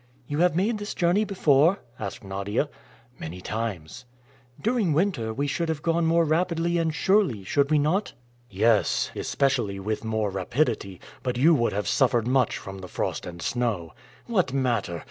"You have made this journey before?" asked Nadia. "Many times." "During winter we should have gone more rapidly and surely, should we not?" "Yes, especially with more rapidity, but you would have suffered much from the frost and snow." "What matter!